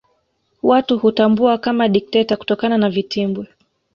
Watu hutambua kama dikteta kutokana na vitimbwi